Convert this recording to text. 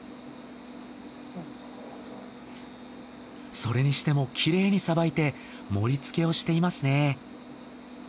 それにしてもきれいに捌いて盛り付けをしていますね。